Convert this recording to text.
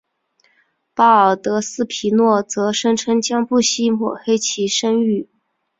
巴尔德斯皮诺则声称将不惜抹黑其声誉。